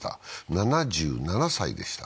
７７歳でした。